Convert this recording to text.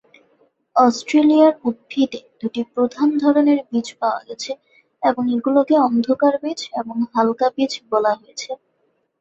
অস্ট্রেলিয়ার উদ্ভিদে দুটি প্রধান ধরনের বীজ পাওয়া গেছে এবং এগুলোকে 'অন্ধকার বীজ' এবং 'হালকা বীজ' বলা হয়েছে।